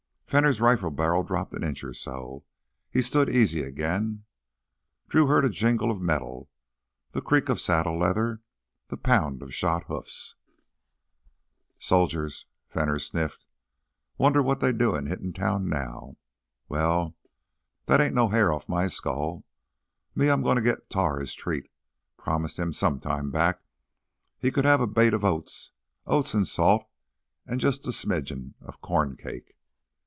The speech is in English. Fenner's rifle barrel dropped an inch or so; he stood easy again. Drew heard a jingle of metal, the creak of saddle leather, the pound of shod hoofs. "Soldiers!" Fenner sniffed. "Wonder what they's doin', hittin' town now. Wal, that ain't no hair off m' skull. Me, I'm gonna git Tar his treat. Promised him some time back he could have a bait o' oats—oats an' salt, an' jus' a smidgen o' corn cake.